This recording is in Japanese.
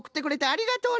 ありがとう！